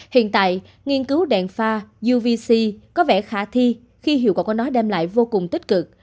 hiện tại nghiên cứu đèn pha uvc có vẻ khả thi khi hiệu quả của nó đem lại vô cùng tích cực